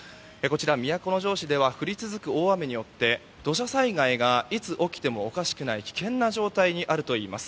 都城市では降り続く大雨によって土砂災害がいつ起きてもおかしくない危険な状態にあるといいます。